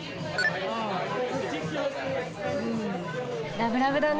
ラブラブだね。